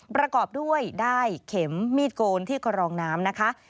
ประกอบด้วยได้เข็มมีดโกนที่กรองน้ำนะคะ